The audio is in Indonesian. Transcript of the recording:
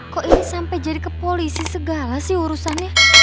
kok ini sampai jadi ke polisi segala sih urusannya